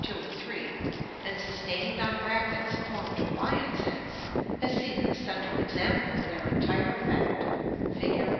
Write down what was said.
2 and 3, and sustained on brackets formed of lions' heads, as seen in the central example of their entire effect, fig.